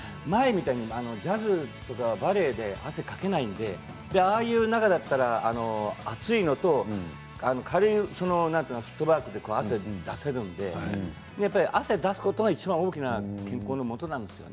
僕は汗かけないのでああいう中だったら暑いのと軽いフットワークで汗を出せるので汗を出すことがいちばん大きな健康のもとなんですよね。